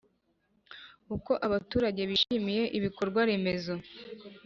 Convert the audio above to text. Uko abaturage bishimiye ibikorwaremezo